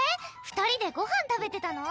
２人でごはん食べてたの？